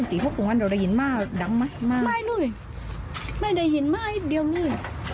ไม่เลยไม่ได้ยินมากอีกเดียวนึง